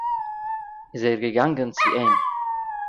איז ער געגאנגען צו אים